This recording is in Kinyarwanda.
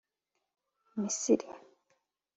Misili